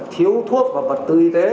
thiếu thuốc và vật tư y tế